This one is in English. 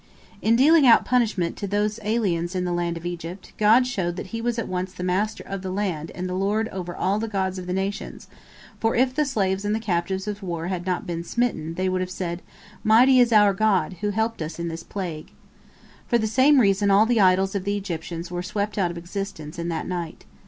In dealing out punishment to these aliens in the land of Egypt, God showed that He was at once the Master of the land and the Lord over all the gods of the nations, for if the slaves and the captives of war had not been smitten, they would have said, "Mighty is our god, who helped us in this plague." For the same reason all the idols of the Egyptians were swept out of existence in that night.